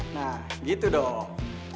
nah gitu dong